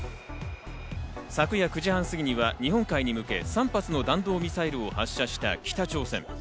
昨夜９時半過ぎには日本海に向け、３発の弾道ミサイルを発射した北朝鮮。